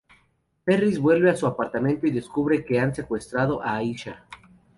Ferris vuelve a su apartamento y descubre que han secuestrado a Aisha.